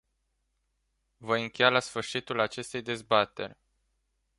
Voi încheia la sfârșitul acestei dezbateri.